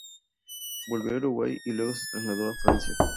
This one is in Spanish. Volvió a Uruguay y luego se trasladó a Francia.